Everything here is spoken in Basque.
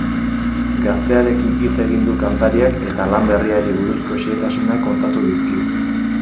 Gaztearekin hitz egin du kantariak eta lan berriari buruzko xehetasunak kontatu dizkigu.